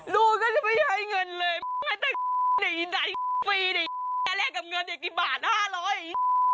ดูก็จะไม่ให้เงินเลยให้แตนฟรีได้แลกกับเงินฝีบาทห้าร้อย